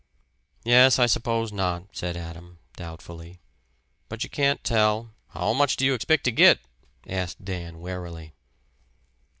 "Yes, I suppose not," said Adam, doubtfully. "But you can't tell " "How much do you expect to git?" asked Dan warily.